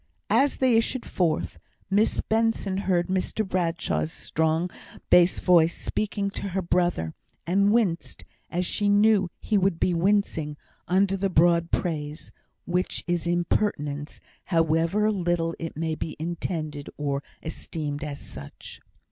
As they issued forth, Miss Benson heard Mr Bradshaw's strong bass voice speaking to her brother, and winced, as she knew he would be wincing, under the broad praise, which is impertinence, however little it may be intended or esteemed as such.